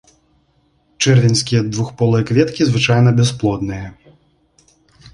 Чэрвеньскія двухполыя кветкі звычайна бясплодныя.